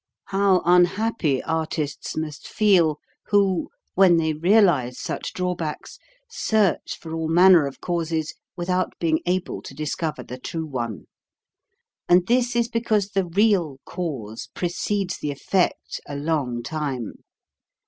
How unhappy artists must feel, who, when they realize such drawbacks, search for ah* 298 HOW TO SING manner of causes without being able to discover the true one. And this is because the real cause precedes the effect a long time.